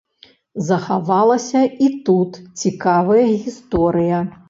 Захавалася і тут цікавая гісторыя.